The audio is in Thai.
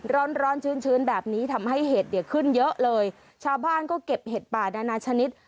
ร้อนร้อนชื้นชื้นแบบนี้ทำให้เห็ดเนี่ยขึ้นเยอะเลยชาวบ้านก็เก็บเห็ดป่านานาชนิด